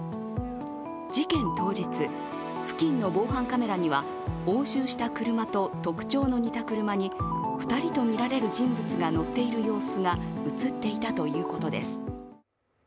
事件当日、付近の防犯カメラには押収した車と特徴の似た車に２人とみられる人物が乗っている様子が映っていたということです。